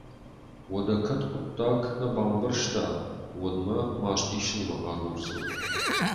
Уӕдӕ кӕд хъуыддаг нӕ бамбӕрста, уӕд мӕ маст исынмӕ агурдзӕн.